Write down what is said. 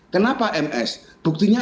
kenapa ms buktinya